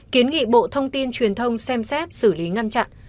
kiến nghị bộ thông tin truyền thông xem xét xử lý ngăn chặn